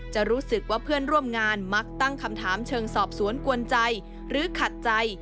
จะรู้สึกว่าเพื่อนร่วมงานมักตั้งคำถามเชิงสอบสวนกวนใจหรือขัดใจ